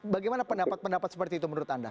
bagaimana pendapat pendapat seperti itu menurut anda